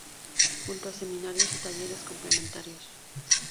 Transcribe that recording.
Junto a seminarios y talleres complementarios.